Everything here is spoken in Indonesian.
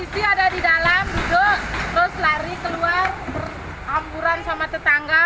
istri ada di dalam duduk terus lari keluar berhamburan sama tetangga